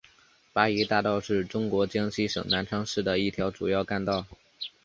八一大道是中国江西省南昌市的一条主要干道。